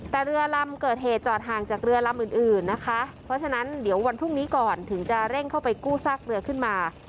แต่เรือลำเกิดเหตุจอดห่างจากเรือลำอื่นอื่นนะคะเพราะฉะนั้นเดี๋ยววันพรุ่งนี้ก่อนถึงจะเร่งเข้าไปกู้ซากเรือขึ้นมา